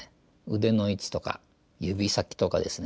腕の位置とか指先とかですね